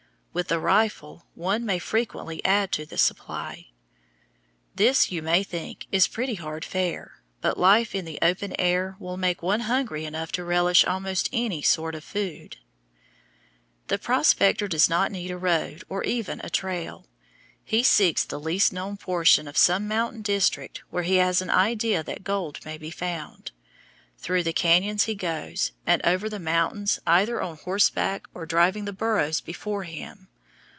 With the rifle one may frequently add to the supply. This, you may think, is pretty hard fare, but life in the open air will make one hungry enough to relish almost any sort of food. The prospector does not need a road or even a trail. He seeks the least known portion of some mountain district where he has an idea that gold may be found. Through the cañons he goes, and over the mountains, either on horseback or driving the burros before him.